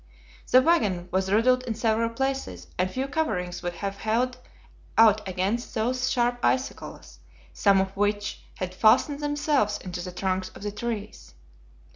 The wagon was riddled in several places, and few coverings would have held out against those sharp icicles, some of which had fastened themselves into the trunks of the trees.